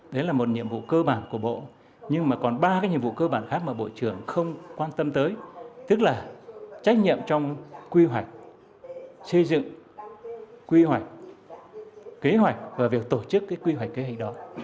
đấy là một nhiệm vụ cơ bản của bộ nhưng mà còn ba cái nhiệm vụ cơ bản khác mà bộ trưởng không quan tâm tới tức là trách nhiệm trong quy hoạch xây dựng quy hoạch kế hoạch và việc tổ chức cái quy hoạch kế hoạch đó